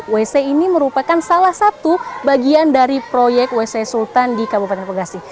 wc ini merupakan salah satu bagian dari proyek wc sultan di kabupaten bekasi